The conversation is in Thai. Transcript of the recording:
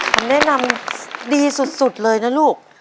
ผมแนะนำดีสุดเลยนะลูก